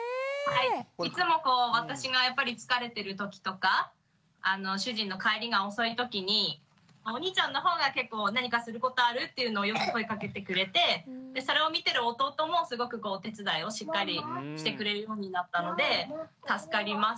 いつもこう私がやっぱり疲れてる時とか主人の帰りが遅い時にお兄ちゃんのほうが結構何かすることある？っていうのをよく声かけてくれてそれを見てる弟もすごくこうお手伝いをしっかりしてくれるようになったので助かります。